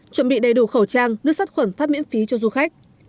chuẩn bị đầy đủ khẩu trang nước sắt khuẩn phát miễn phí cho du khách